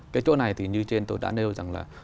cái chỗ này thì như trên tôi đã nêu rằng là